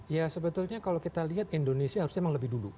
ya sebetulnya kalau kita lihat indonesia harusnya memang lebih dulu